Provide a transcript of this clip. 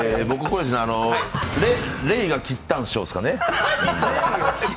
僕、レイが切ったんしょ、ですね。